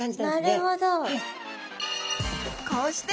なるほど。